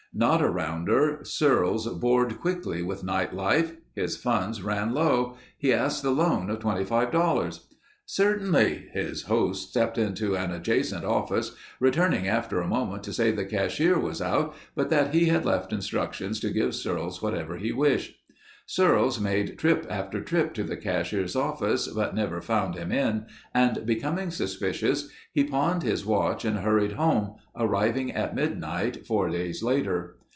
Not a rounder, Searles bored quickly with night life. His funds ran low. He asked the loan of $25. "Certainly...." His host stepped into an adjacent office, returning after a moment to say the cashier was out but that he had left instructions to give Searles whatever he wished. Searles made trip after trip to the cashier's office but never found him in and becoming suspicious, he pawned his watch and hurried home, arriving at midnight four days later.